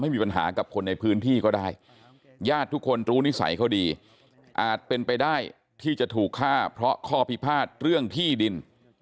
อาจเป็นไปได้ที่จะถูกฆ่าเพราะข้อพิพาทเรื่องที่ดิน